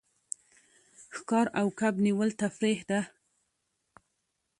ښکار او کب نیول تفریح ده.